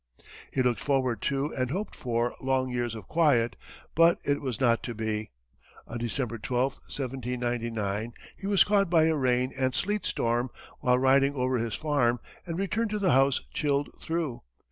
He looked forward to and hoped for long years of quiet, but it was not to be. On December 12, 1799, he was caught by a rain and sleet storm, while riding over his farm, and returned to the house chilled through.